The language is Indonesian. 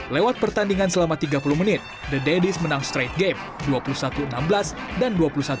lewat pertandingan selama tiga puluh menit the daddies menang straight game dua puluh satu enam belas dan dua puluh satu dua belas